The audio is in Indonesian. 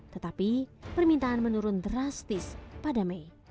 tetapi permintaan menurun drastis pada mei